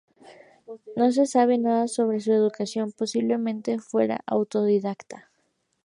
No se sabe nada sobre su educación, posiblemente fuera autodidacta.